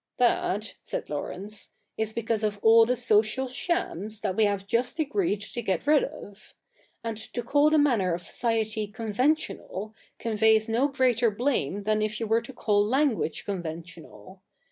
' That,' said Laurence, ' is because of all the social shams that we have just agreed to get rid of. And to call the manner of society conventional, conveys no greater blame than if you were to call language conven tional.